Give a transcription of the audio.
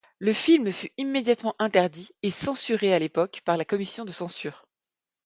Le film fut immédiatement interdit et censuré à l'époque par la commission de censure.